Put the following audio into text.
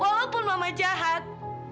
walaupun mama jahat